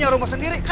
kalau langsungji ke